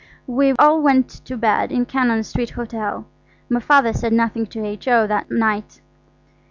We all went to bed in Cannon Street Hotel. My Father said nothing to H.O. that night.